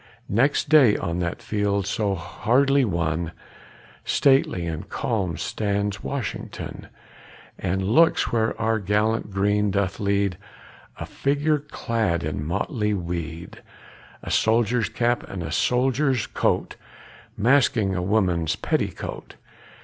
Next day on that field so hardly won, Stately and calm stands Washington, And looks where our gallant Greene doth lead A figure clad in motley weed A soldier's cap and a soldier's coat Masking a woman's petticoat.